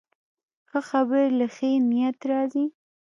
ښه خبرې له ښې نیت راځي